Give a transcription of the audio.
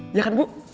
iya kan bu